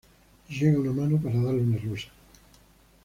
Llega una mano para darle una rosa.